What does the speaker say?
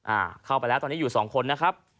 อ่าเข้าไปแล้วตอนนี้อยู่สองคนนะครับ